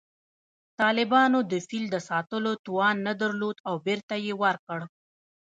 طالبانو د فیل د ساتلو توان نه درلود او بېرته یې ورکړ